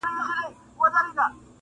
ژوند د کتاب په څېر دی، باید مخته ولاړ شو